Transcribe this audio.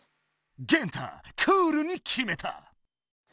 ゲンタクールに決めた。